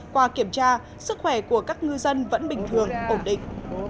qua kiểm tra sức khỏe của các ngư dân vẫn bình thường ổn định